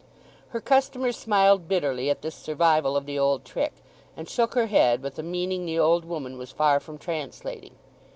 Her customer smiled bitterly at this survival of the old trick, and shook her head with a meaning the old woman was far from translating.